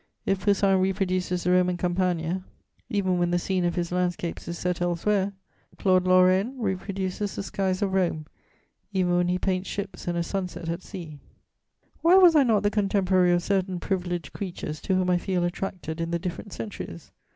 If Poussin reproduces the Roman Campagna, even when the scene of his landscapes is set elsewhere, Claude Lorraine reproduces the skies of Rome, even when he paints ships and a sunset at sea. Why was I not the contemporary of certain privileged creatures to whom I feel attracted in the different centuries?